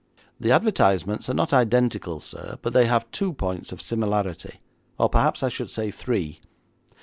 The advertisements are not identical, sir, but they have two points of similarity, or perhaps I should say three.